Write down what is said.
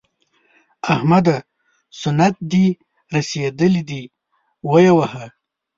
احمده! سنت دې رسېدلي دي؛ ویې وهه.